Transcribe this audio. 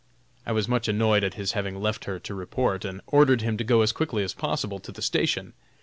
I was much annoyed at his having left her to report and ordered him to go as quickly as possible to the station.